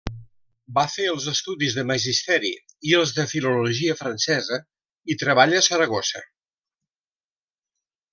Va fer els estudis de magisteri i els de filologia francesa, i treballa a Saragossa.